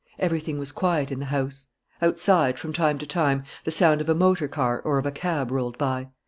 Everything was quiet in the house. Outside, from time to time, the sound of a motor car or of a cab rolled by.